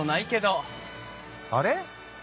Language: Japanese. あれ？